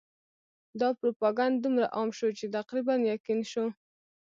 دا پروپاګند دومره عام شو چې تقریباً یقین شو.